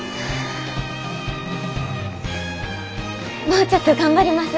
もうちょっと頑張ります。